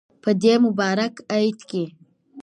په دی مبارک ایت کی